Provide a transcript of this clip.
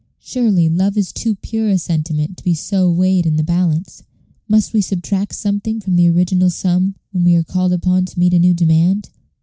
Surely, love is too pure a sentiment to be so weighed in the balance. Must we subtract something from the original sum when we are called upon to meet a new demand?